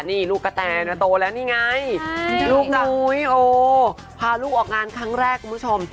นี่ลูกกะแตโตแล้วนี่ไงลูกนะโอ้พาลูกออกงานครั้งแรกคุณผู้ชม